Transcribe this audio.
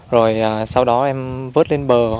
rồi sau đó em vớt lên bờ